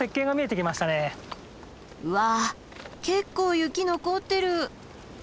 わあ結構雪残ってる！